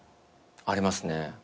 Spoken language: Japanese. ありますね。